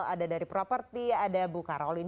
ada dari properti ada bu karolin